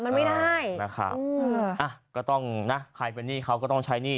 มันไม่ได้นะครับอ่ะก็ต้องนะใครเป็นหนี้เขาก็ต้องใช้หนี้